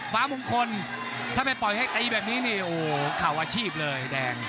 ฟ้ามึงคนนี่ถ้าไม่ปล่อยให้ตีแบบนี้เนี่ยโอ้ข่าวอาชีพเลย